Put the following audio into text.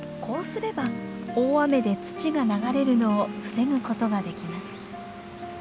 こうすれば大雨で土が流れるのを防ぐことができます。